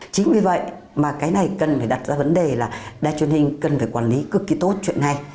chính vì vậy mà cái này cần phải đặt ra vấn đề là đài truyền hình cần phải quản lý cực kỳ tốt chuyện này